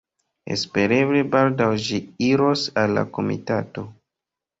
Espereble baldaŭ ĝi iros al la komitato.